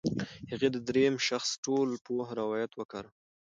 هغې د درېیم شخص ټولپوه روایت وکاراوه.